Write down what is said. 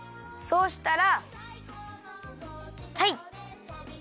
そうしたらたい。